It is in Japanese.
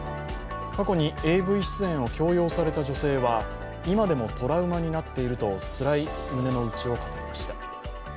過去にＡＶ出演を強要された女性は今でもトラウマになっているとつらい胸の内を語りました。